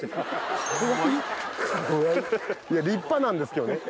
立派なんですけどね。